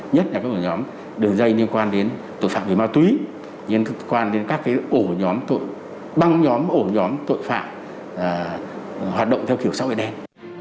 nhất là các ổ nhóm đường dây liên quan đến tội phạm về ma túy liên quan đến các ổ nhóm băng nhóm ổ nhóm tội phạm hoạt động theo kiểu xã hội đen